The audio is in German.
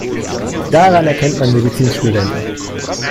Daran erkennt man Medizinstudenten.